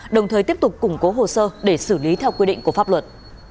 đồng thời tiếp tục củng cố hồ sơ để xử lý theo quy định của pháp luật